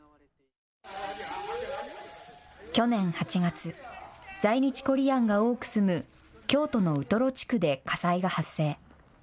去年８月、在日コリアンが多く住む京都のウトロ地区で火災が発生。